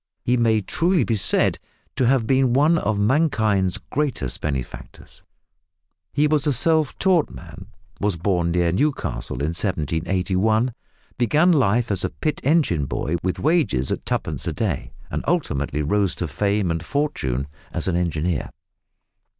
He may truly be said to have been one of mankind's greatest benefactors. He was a self taught man, was born near Newcastle in 1781, began life as a pit engine boy with wages at two pence a day, and ultimately rose to fame and fortune as an engineer.